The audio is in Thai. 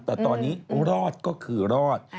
แต่ตอนนี้รอดก็คือรอด